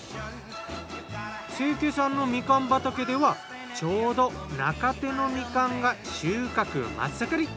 清家さんのみかん畑ではちょうど中生のみかんが収穫真っ盛り！